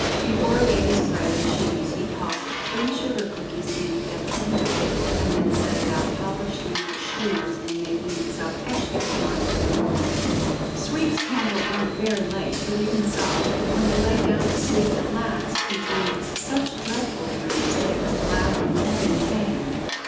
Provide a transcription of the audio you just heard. Before he ate his bread and cheese, he tossed three sugar cookies in at her window, and then set about polishing his shoes and making himself extra smart for the morrow. Sweep's candle burned very late; but even so, when he lay down to sleep at last, he dreamed such dreadful dreams that he was glad when morning came.